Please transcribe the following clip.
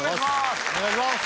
お願いします